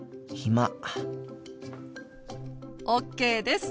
ＯＫです。